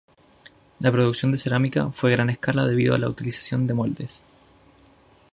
La producción de cerámica fue a gran escala debido a la utilización de moldes.